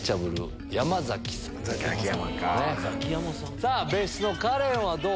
さぁ別室のカレンはどう？